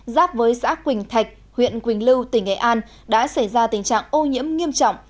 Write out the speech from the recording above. giáp với xã quỳnh thạch huyện quỳnh lưu tỉnh nghệ an đã xảy ra tình trạng ô nhiễm nghiêm trọng